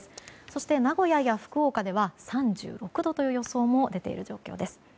そして名古屋や福岡では３６度という予想も出ている状況です。